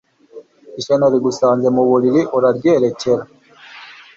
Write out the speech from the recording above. ishyano rigusanze mu buriri uraryerekera